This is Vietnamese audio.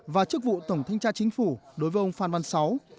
và chức vụ tổng thanh tra chính phủ đối với ông phan văn sáu